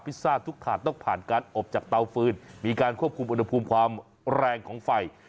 ซ่าทุกถาดต้องผ่านการอบจากเตาฟืนมีการควบคุมอุณหภูมิความแรงของไฟ